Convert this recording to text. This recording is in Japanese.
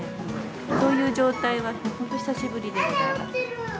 こういう状態は本当に久しぶりでございます。